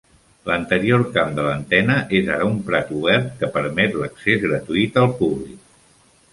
L'anterior camp de l'antena és ara un prat obert que permet l'accés gratuït al públic.